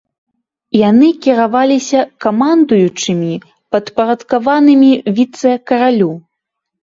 Яны кіраваліся камандуючымі, падпарадкаванымі віцэ-каралю.